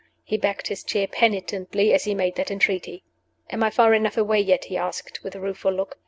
He backed his chair penitently as he made that entreaty. "Am I far enough away yet?" he asked, with a rueful look.